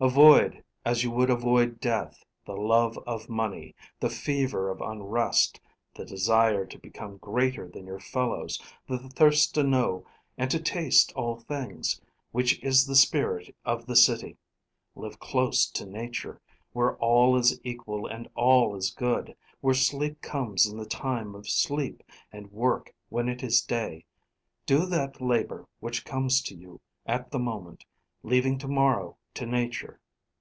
Avoid, as you would avoid death, the love of money, the fever of unrest, the desire to become greater than your fellows, the thirst to know and to taste all things, which is the spirit of the city. Live close to Nature, where all is equal and all is good; where sleep comes in the time of sleep, and work when it is day. Do that labor which comes to you at the moment, leaving to morrow to Nature."